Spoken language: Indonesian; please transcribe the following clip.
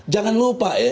jangan lupa ya